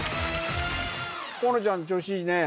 河野ちゃん調子いいね